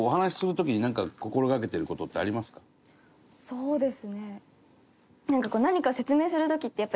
そうですね。